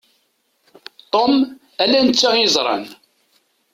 Tom, ala netta i yeẓran.